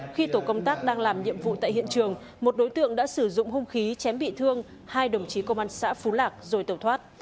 khi tổ công tác đang làm nhiệm vụ tại hiện trường một đối tượng đã sử dụng hung khí chém bị thương hai đồng chí công an xã phú lạc rồi tẩu thoát